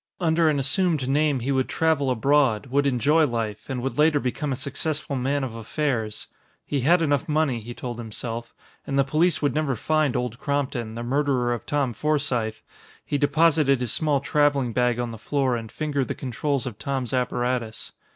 Under an assumed name he would travel abroad, would enjoy life, and would later become a successful man of affairs. He had enough money, he told himself. And the police would never find Old Crompton, the murderer of Tom Forsythe! He deposited his small traveling bag on the floor and fingered the controls of Tom's apparatus.